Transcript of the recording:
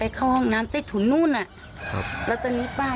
ติดเตียงได้ยินเสียงลูกสาวต้องโทรศัพท์ไปหาคนมาช่วย